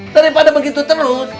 daripada begitu terus